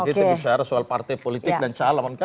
kita bicara soal partai politik dan calon kami